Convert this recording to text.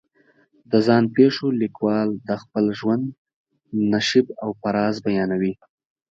د ځان پېښو لیکوال د خپل ژوند نشیب و فراز بیانوي.